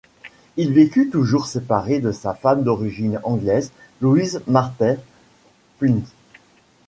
Il vécut toujours séparé de sa femme d’origine anglaise, Louise Mather-Flint.